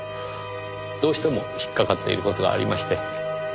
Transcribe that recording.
どうしても引っかかっている事がありまして。